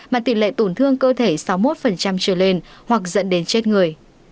mà tỷ lệ tổn thương cơ thể sáu mươi một trở lên hoặc dẫn đến chết người